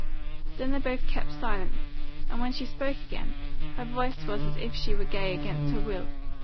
Then they both kept silence, and when she spoke again her voice was as if she were gay against her will.